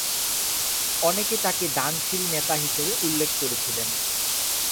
অনেকে তাকে দানশীল নেতা হিসাবে উল্লেখ করেছিলেন।